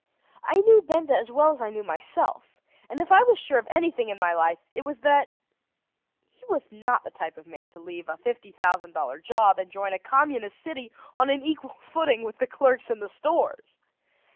I knew Benda as well as I knew myself, and if I was sure of anything in my life, it was that he was not the type of man to leave a fifty thousand dollar job and join a communist city on an equal footing with the clerks in the stores.